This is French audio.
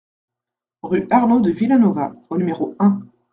Rue Arnau de Vilanova au numéro un